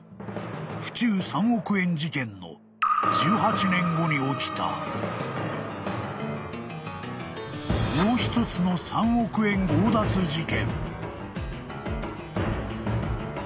府中３億円事件の１８年後に起きたもう一つの３億円強奪事件］